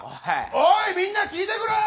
おいみんな聞いてくれよ！